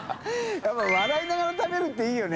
笋辰笑いながら食べるっていいよね。